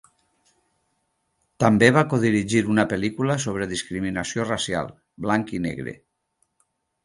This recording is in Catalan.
També va codirigir una pel·lícula sobre discriminació racial: "Blanc i negre".